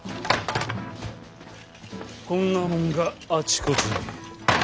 こんなもんがあちこちに。